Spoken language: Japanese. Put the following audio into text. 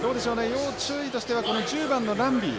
要注意としてはこの１０番のランビー。